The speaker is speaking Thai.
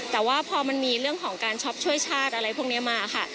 แต่ว่าพอมันมีเรื่องของการช็อปช่วยชาติอะไรพวกนี้มาค่ะ